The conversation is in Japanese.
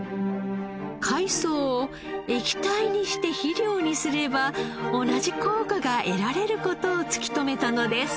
海藻を液体にして肥料にすれば同じ効果が得られる事を突き止めたのです。